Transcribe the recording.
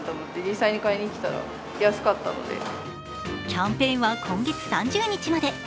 キャンペーンは今月３０日まで。